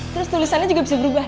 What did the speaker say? terus tulisannya juga bisa berubah